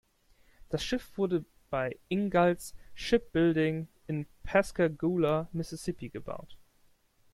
Das Schiff wurde bei Ingalls Shipbuilding in Pascagoula, Mississippi gebaut.